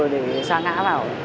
để xa ngã vào